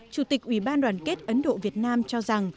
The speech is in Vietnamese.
chủ tịch ủy ban đoàn kết ấn độ việt nam cho rằng